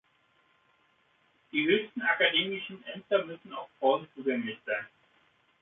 Die höchsten akademischen Ämter müssen auch Frauen zugänglich sein.